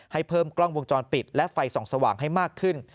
ให้เพิ่มกล้องวงจรปิดและไฟส่องสว่างให้มากขึ้น